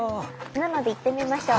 なので行ってみましょう。